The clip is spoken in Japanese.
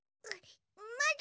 まだ！